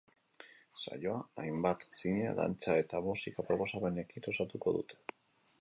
Saioa, hainbat zine, dantza eta musika proposamenekin osatuko dute.